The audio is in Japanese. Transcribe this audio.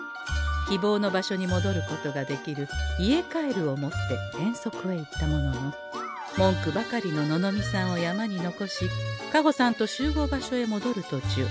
希望の場所にもどることができる「家カエル」を持って遠足へ行ったものの文句ばかりのののみさんを山に残し香穂さんと集合場所へもどるとちゅう